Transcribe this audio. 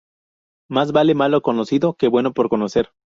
Más vale malo conocido que bueno por conocer